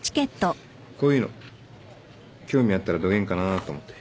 こういうの興味あったらどげんかなあと思って。